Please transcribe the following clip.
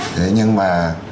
thế nhưng mà